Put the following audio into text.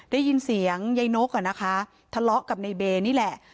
ได้ยินเสียงยายนกอ่ะนะคะทะเลาะกับในเบย์นี่แหละ